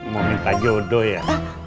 mau minta jodoh ya